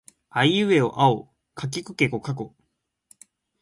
あえいうえおあおかけきくけこかこ